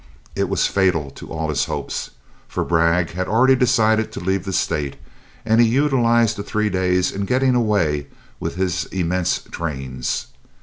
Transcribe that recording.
It was fatal to all his hopes, for Bragg had already decided to leave the state, and he utilized the three days in getting away with his immense trains.